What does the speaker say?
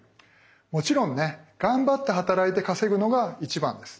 もちろんね頑張って働いて稼ぐのが一番です。